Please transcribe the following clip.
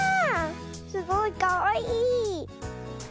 すごいかわいい。